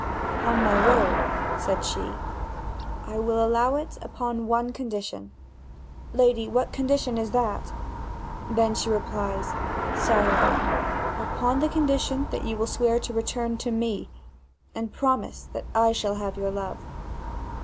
"Upon my word," said she, "I will allow it upon one condition." "Lady, what condition is that?" Then she replies: "Sire, upon condition that you wilt swear to return to me, and promise that I shall have your love."